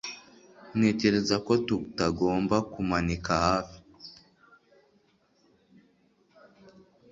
Ntekereza ko tutagomba kumanika hafi